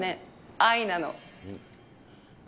愛なの。